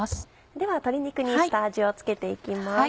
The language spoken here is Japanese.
では鶏肉に下味を付けていきます。